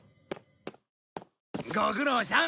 ご苦労さん。